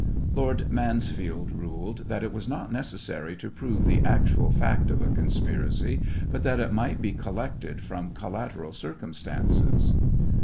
Lord Mansti^ld niled that it was not necessary to prove the actual fact of a conspiracy, but that it might be collected from collateral circumstances.